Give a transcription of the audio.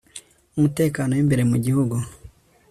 umutekano w imbere mu Gihugu